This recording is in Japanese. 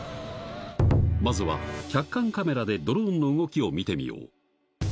まずは、客観カメラでドローンの動きを見てみよう。